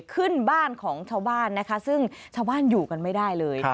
ขึ้นบ้านของชาวบ้านนะคะซึ่งชาวบ้านอยู่กันไม่ได้เลย